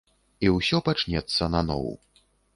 І ўсё пачнецца наноў.